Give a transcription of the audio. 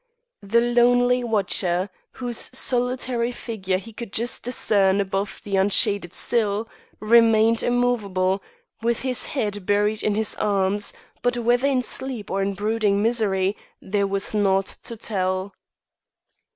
The lonely watcher, whose solitary figure he could just discern above the unshaded sill, remained immovable, with his head buried in his arms, but whether in sleep or in brooding misery, there was naught to tell.